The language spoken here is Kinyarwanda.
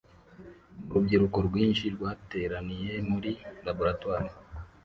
Urubyiruko rwinshi rwateraniye muri laboratoire